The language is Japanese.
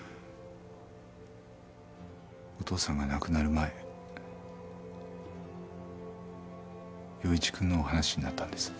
お父さんが亡くなる前庸一くんの話になったんです。